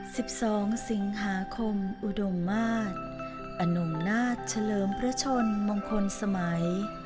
สิบสองสิงหาคมอุดมมาศอนงนาฏเฉลิมพระชนมงคลสมัย